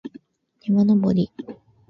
山登り